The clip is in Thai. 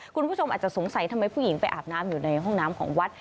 คุณผู้ชมอาจจะสงสัยทำไมผู้หญิงไปอาบน้ำอยู่ในห้องน้ำของวัด